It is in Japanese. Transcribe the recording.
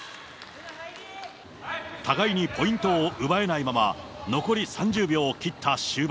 互いにポイントを奪えないまま、残り３０秒を切った終盤。